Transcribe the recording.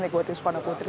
negoti supana putri